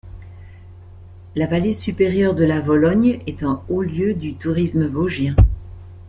La vallée supérieure de la Vologne est un haut lieu du tourisme vosgien.